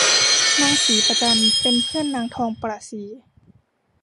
นางศรีประจันเป็นเพื่อนนางทองประศรี